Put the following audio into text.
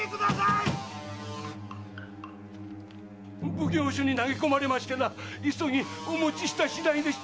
奉行所に投げ込まれましてな急ぎお持ちしたしだいでしてはい！